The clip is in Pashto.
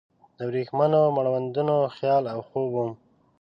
د وریښمینو مړوندونو خیال او خوب وم